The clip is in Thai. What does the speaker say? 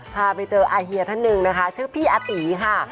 พาไปเจออาเฮียท่านหนึ่งนะคะชื่อพี่อาตีค่ะ